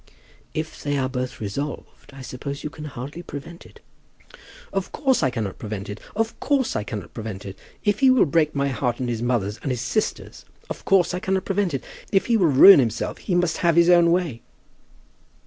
"If they both be resolved I suppose you can hardly prevent it." "Of course I cannot prevent it. Of course I cannot prevent it. If he will break my heart and his mother's, and his sister's, of course I cannot prevent it. If he will ruin himself, he must have his own way."